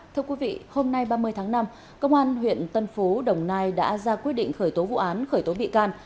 thưa quý vị hôm nay ba mươi tháng năm công an huyện tân phú đồng nai đã ra quyết định khởi tố vụ án khởi tố bị can